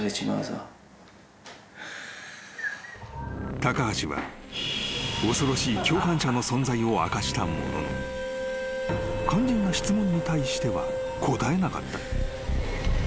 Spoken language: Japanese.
［高橋は恐ろしい共犯者の存在を明かしたものの肝心な質問に対しては答えなかった］